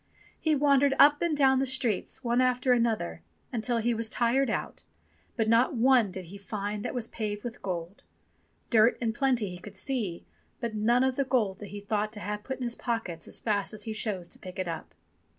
He wandered up and down the streets, one after another, until he was tired out, but not one did he find that was paved with gold. Dirt in plenty he could see, but none of the gold that he thought to have put in his pockets as fast as he chose to pick it up.